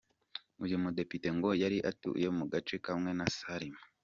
Uyu mudepite ngo yari atuye mu gace kamwe na Salim.